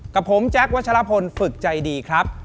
กับผมแจ๊ควัชลพลฝึกใจดีครับ